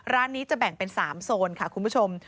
ร้านนี้จะแบ่งเป็น๓โซนค่ะคุณผู้ชม